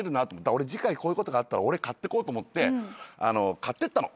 「俺次回こういうことがあったら買ってこう」と思って買ってったの。